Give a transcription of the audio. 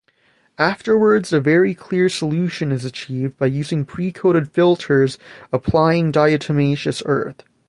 Afterwards a very clear solution is achieved by using pre-coated filters applying diatomaceous earth.